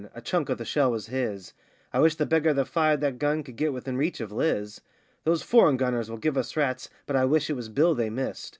A chunk of the shell was his; I wish the beggar that fired that gun could get within reach of Liz.' 'Those foreign gunners will give us rats, but I wish it was Bill they missed.